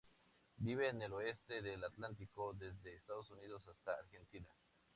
Vive en el oeste del Atlántico; desde Estados Unidos hasta Argentina.